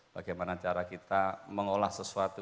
bagaimana cara kita mengolah sesuatu